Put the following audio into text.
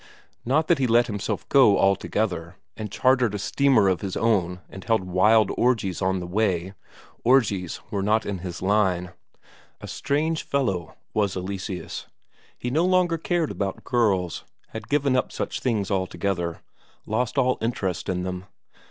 Not that he let himself go altogether, and chartered a steamer of his own and held wild orgies on the way orgies were not in his line. A strange fellow, was Eleseus; he no longer cared about girls, had given up such things altogether, lost all interest in them.